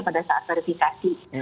pada saat verifikasi